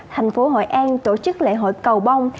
thành phố hội an tổ chức lễ hội cầu bông